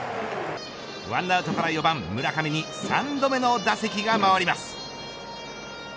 １アウトから４番村上に３度目の打席が回ります。